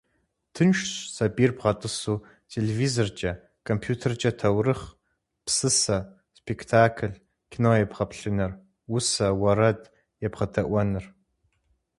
Тыншщ сабийр бгъэтӏысу телевизоркӏэ, компьютеркӏэ таурыхъ, псысэ, спектакль, кино ебгъэплъыныр, усэ, уэрэд ебгъэдэӏуэныр.